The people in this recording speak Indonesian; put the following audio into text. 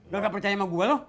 ga percaya sama gua lu